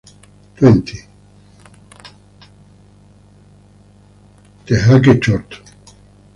Tuenti: The Jake Short.